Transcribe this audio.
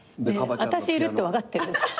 ねえ私いるって分かってる？